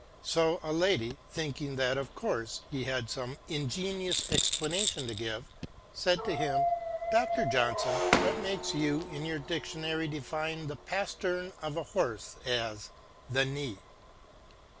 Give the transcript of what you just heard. So a lady, thinking that of course he had some ingenious explanation to give, said to him, " Dr. Johnson, what makes you in your Dictionary define the pastern of a horse as ' the knee